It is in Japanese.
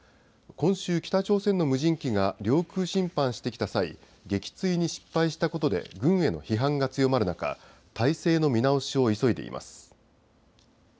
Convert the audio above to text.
今週、北朝鮮の無人機が領空侵犯してきた際、撃墜に失敗したことで、軍への批判が強まる中、態勢の見直しを急いでいます。